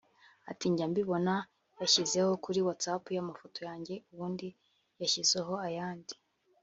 Ati” Njya mbibona yashyizeho(kuri whatsapp ye) amafoto yanjye ubundi yashyizeho ayandi